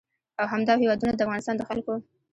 او همدا هېوادونه د افغانستان د خلکو